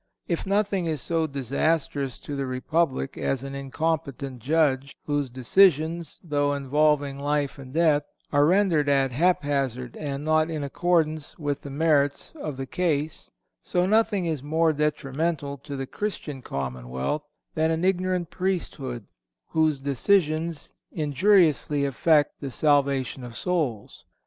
If nothing is so disastrous to the Republic as an incompetent judge, whose decisions, though involving life and death, are rendered at hap hazard and not in accordance with the merits of the case, so nothing is more detrimental to the Christian commonwealth than an ignorant priesthood, whose decisions injuriously affect the salvation of souls.